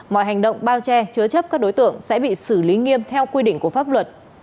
mọi hành động bao che chứa chấp các đối tượng sẽ bị xử lý nghiêm theo quy định của pháp luật